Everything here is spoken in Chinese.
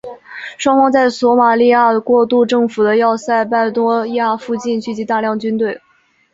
双方在索马利亚过渡政府的要塞拜多亚附近聚集大量军队。